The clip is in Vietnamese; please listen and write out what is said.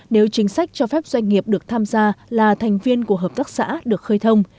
nếu chính sách cho phép doanh nghiệp được tham gia là thành viên của hợp tác xã được khơi thông